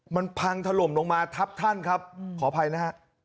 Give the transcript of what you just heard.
มันพังถล่มลงมาทับท่านขออภัยนะครับ